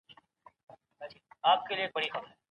د ملکیار هوتک په کلام کې د مینې د رښتیني احساس بیان دی.